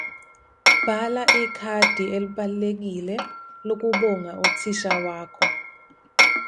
Bhala ikhadi elibalulekile lokubonga uthisha wakho.